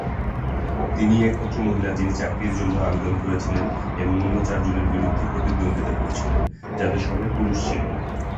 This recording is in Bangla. তিনিই একমাত্র মহিলা যিনি চাকরির জন্য আবেদন করেছিলেন, এবং অন্য চারজনের বিরুদ্ধে প্রতিদ্বন্দ্বিতা করছিলেন, যাদের সবাই পুরুষ ছিলেন।